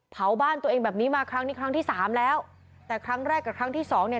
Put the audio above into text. เผาบ้านตัวเองแบบนี้มาครั้งนี้ครั้งที่สามแล้วแต่ครั้งแรกกับครั้งที่สองเนี่ย